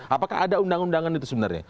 apakah ada undang undangan itu sebenarnya